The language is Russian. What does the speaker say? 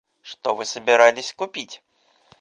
Что вы собирались купить?